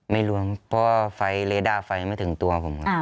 ไม่รวมเพราะไฟเลดาไม่ถึงตัวผมครับ